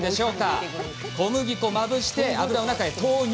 小麦粉まぶして油の中へ投入！